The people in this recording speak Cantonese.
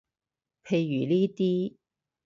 譬如呢啲